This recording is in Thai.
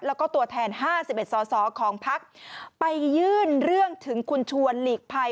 แล้วก็ตัวแทน๕๑สอสอของพักไปยื่นเรื่องถึงคุณชวนหลีกภัย